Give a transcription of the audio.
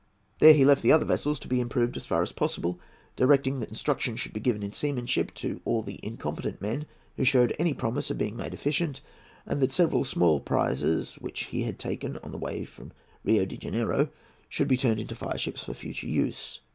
There he left the other vessels to be improved as far as possible, directing that instruction should be given in seamanship to all the incompetent men who showed any promise of being made efficient, and that several small prizes which he had taken on his way from Rio de Janeiro should be turned into fireships for future use.